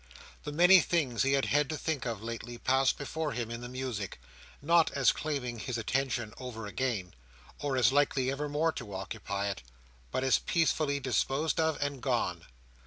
The many things he had had to think of lately, passed before him in the music; not as claiming his attention over again, or as likely evermore to occupy it, but as peacefully disposed of and gone.